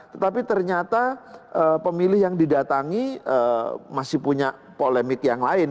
tetapi ternyata pemilih yang didatangi masih punya polemik yang lain